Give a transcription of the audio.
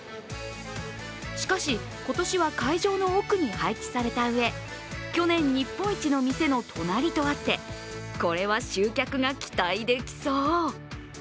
しかし、今年は会場の奥に配置されたうえ去年、日本一の店の隣とあって、これは集客が期待できそう。